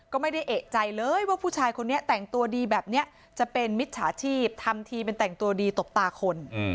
ก็ไม่ได้เอกใจเลยว่าผู้ชายคนนี้แต่งตัวดีแบบนี้จะเป็นมิจฉาชีพทำทีเป็นแต่งตัวดีตบตาคน